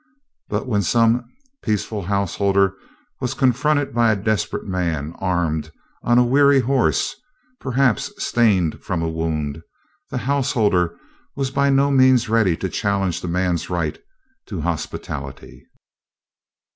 But when some peaceful householder was confronted by a desperate man, armed, on a weary horse perhaps stained from a wound the householder was by no means ready to challenge the man's right to hospitality.